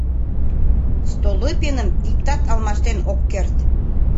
Столыпиным иктат алмаштен ок керт.